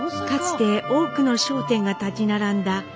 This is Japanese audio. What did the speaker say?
かつて多くの商店が立ち並んだ